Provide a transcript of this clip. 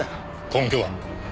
根拠は？